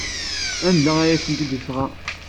Anda ay tent-id-yesɣa?